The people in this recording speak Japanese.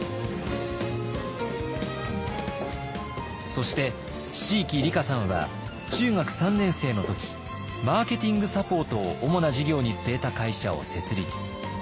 そして椎木里佳さんは中学３年生の時マーケティングサポートを主な事業に据えた会社を設立。